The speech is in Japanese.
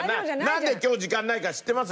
なんで今日時間ないか知ってます？